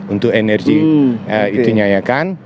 untuk energi itunya ya kan